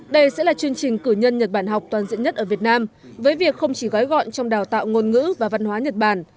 đây sẽ là chương trình cử nhân nhật bản học toàn diện nhất ở việt nam với việc không chỉ gói gọn trong đào tạo ngôn ngữ và văn hóa nhật bản